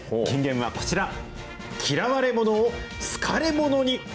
金言はこちら、嫌われものを好かれものに。